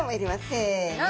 せの。